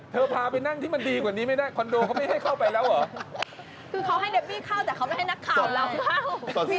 เธอพาไปนั่งที่มันดีกว่านี้ไม่ได้คอนโดเขาไม่ให้เข้าไปแล้วเหรอ